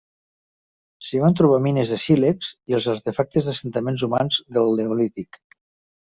S'hi van trobar mines de sílex i artefactes d'assentaments humans del neolític.